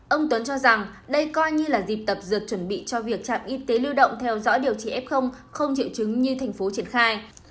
ông tuấn cho rằng đây coi như là dịp tập dượt chuẩn bị cho việc trạm y tế lưu động theo dõi điều trị f không triệu chứng như thành phố triển khai